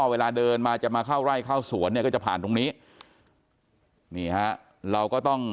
เวลาเดินมาจะมาเข้าไร่เข้าสวนเนี่ยก็จะผ่านตรงนี้นี่ฮะเราก็ต้อง